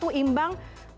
punya catatan juga yang sama